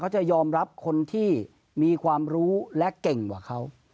จะยอมรับคนที่มีความรู้และเก่งกว่าเขา